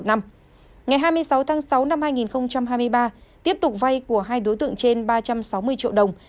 ngày hai mươi sáu tháng sáu năm hai nghìn hai mươi ba tiếp tục vay của hai đối tượng trên ba trăm sáu mươi triệu đồng